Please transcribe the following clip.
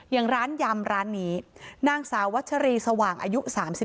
อย่างร้านยำร้านนี้นางสาววัชรีสว่างอายุ๓๒